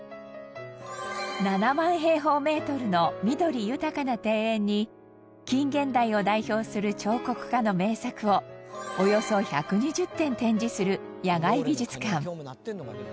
７万平方メートルの緑豊かな庭園に近現代を代表する彫刻家の名作をおよそ１２０点展示する野外美術館。